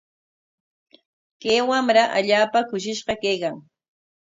Kay wamra allaapa kushishqa kaykan.